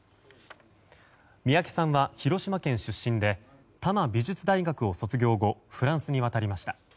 三宅さんは広島県出身で多摩美術大学を卒業後フランスに渡りました。